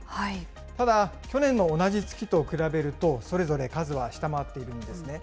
ただ、去年の同じ月と比べると、それぞれ数は下回っているんですね。